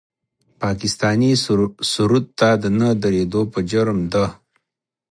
پاکستاني سرود ته د نه درېدو په جرم د